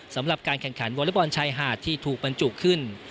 สำหรับการแข่งขันวอเล็กบอลชายหาดที่ถูกบรรจุขึ้น